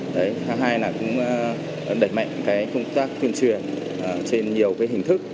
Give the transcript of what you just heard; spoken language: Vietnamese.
thứ hai là cũng đẩy mạnh công tác tuyên truyền trên nhiều hình thức